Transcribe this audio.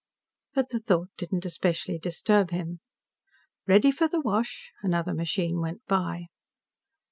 But the thought didn't especially disturb him. "Ready for the wash." Another machine went by.